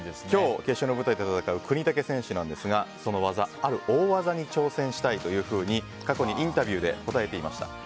今日、決勝の舞台で戦う國武選手ですがその技、ある大技に挑戦したいと過去にインタビューで答えていました。